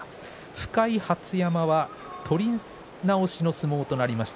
深井と羽出山は取り直しの相撲となりました。